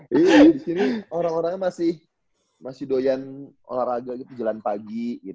di sini orang orangnya masih doyan olahraga gitu jalan pagi